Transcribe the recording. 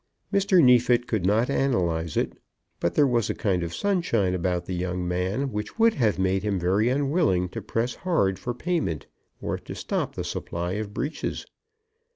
Mr. Neefit could not analyse it, but there was a kind of sunshine about the young man which would have made him very unwilling to press hard for payment, or to stop the supply of breeches.